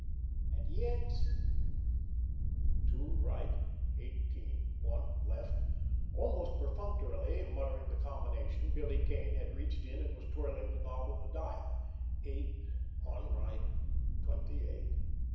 And yet—— "Two right, eighteen; one left"—almost perfunctorily, muttering the combination, Billy Kane had reached in and was twirling the knob of the dial—"eight; one right, twenty eight."